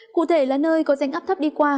cụ thể là nơi có rãnh áp thấp đi qua